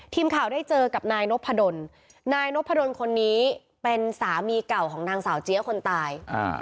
ทีมข่าวได้เจอกับนายนพดลนายนพดลคนนี้เป็นสามีเก่าของนางสาวเจี๊ยคนตาย